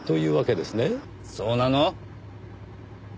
そうなの？